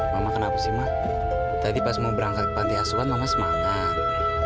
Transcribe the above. mama kenapa sih mak tadi pas mau berangkat ke panti asuhan mama semangat